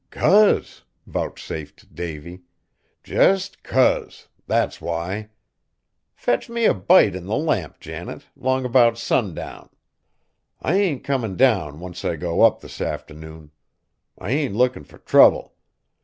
"'Cause!" vouchsafed Davy, "jest 'cause. That's why. Fetch me a bite in the lamp, Janet, 'long 'bout sundown. I ain't comin' down, once I go up this afternoon. I ain't lookin' fur trouble.